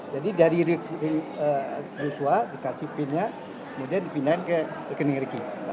jadi dari joshua dikasih pinnya kemudian dipindahkan ke rekening ricky